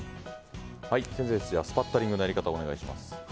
先生、スパッタリングのやり方をお願いします。